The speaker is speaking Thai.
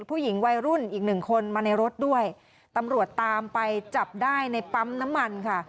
ผู้หญิงวัยรุ่นอีกหนึ่งคนมาในรถด้วยตำรวจตามไปจับได้ในปั๊มน้ำมันค่ะ